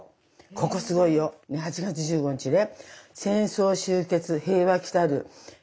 ここすごいよ８月１５日ね。